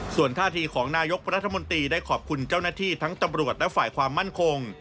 ส่วนท่าทีของนายกรัฐมนตรีได้ขอบคุณเจ้าหน้าที่ทั้งตำรวจและฝ่ายความมั่นคง